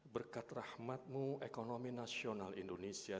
berkat rahmatmu ekonomi nasional indonesia